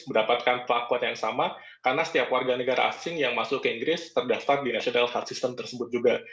mendapatkan pelakuan yang sama karena setiap warga negara asing yang masuk ke inggris terdaftar di national heart system tersebut juga